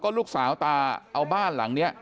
ลูกสาวตาเอาบ้านหลังนี้